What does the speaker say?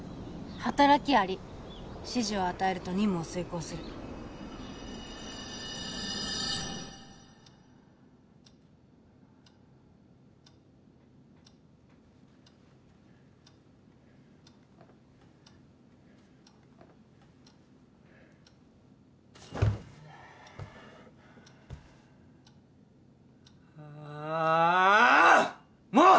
働き蟻指示を与えると任務を遂行するああっもう！